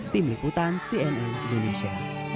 tim liputan cnn indonesia